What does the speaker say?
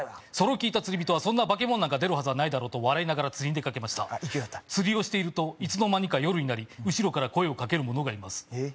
それを聞いた釣り人は「そんな化け物なんか出るはずはないだろう」と笑いながら釣りに出かけました釣りをしているといつの間にか夜になり後ろから声をかける者がいます